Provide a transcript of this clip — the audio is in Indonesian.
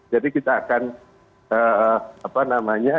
jadi kita akan apa namanya